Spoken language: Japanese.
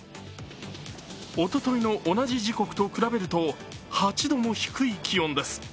おとといの同じ時刻と比べると８度も低い気温です。